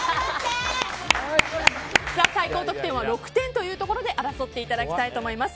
最高得点は６点というところで争っていただきたいと思います。